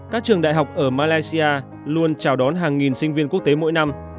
các trường đại học ở malaysia luôn chào đón hàng nghìn sinh viên quốc tế mỗi năm